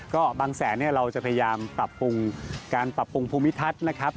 ก็บางแสนเนี่ยเราจะพยายามปรับปรุงการปรับปรุงภูมิทัศน์นะครับ